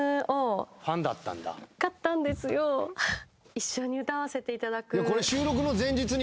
一緒に歌わせていただく。